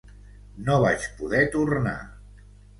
No vaig poder tornar.